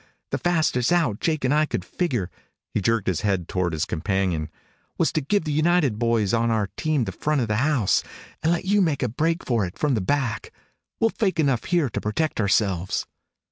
The fastest out Jake and I could figure " He jerked his head toward his companion. " was to give the United boys on our team the front of the house, and let you make a break for it from the back. We'll fake enough here to protect ourselves."